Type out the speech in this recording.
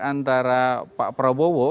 antara pak prabowo